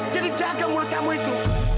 jadi jaga mulut kamu itu